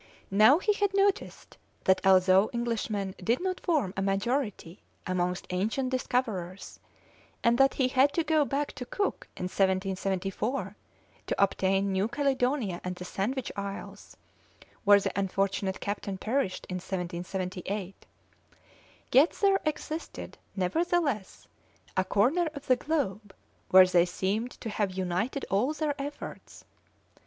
Now he had noticed that, although Englishmen did not form a majority amongst ancient discoverers, and that he had to go back to Cook in 1774 to obtain New Caledonia and the Sandwich Isles, where the unfortunate captain perished in 1778, yet there existed, nevertheless, a corner of the globe where they seemed to have united all their efforts.